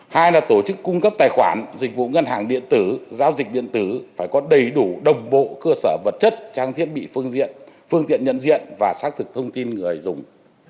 hai là tổ chức cung cấp tài khoản dịch vụ ngân hàng điện tử giao dịch điện tử phải có đầy đủ đồng bộ cơ sở vật chất trang thiết bị phương diện phương tiện nhận diện và xác thực thông tin người dùng